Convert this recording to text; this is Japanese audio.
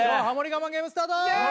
我慢ゲームスタート